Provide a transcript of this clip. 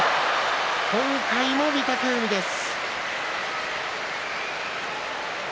今回も御嶽海です。